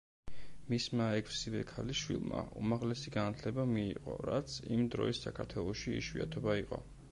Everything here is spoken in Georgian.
მისმა ექვსივე ქალიშვილმა, უმაღლესი განათლება მიიღო, რაც იმ დროის საქართველოში იშვიათობა იყო.